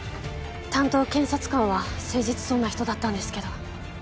担当検察官は誠実そうな人だったんですけど。